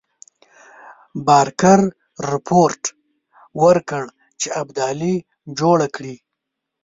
بارکر رپوټ ورکړ چې ابدالي جوړه کړې.